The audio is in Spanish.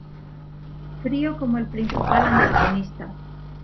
Frío como el principal antagonista.